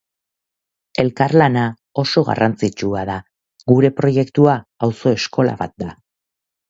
Elkarlana oso garrantzitsua da, gure proiektua auzo eskola bat da.